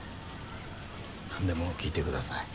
何でも聞いてください。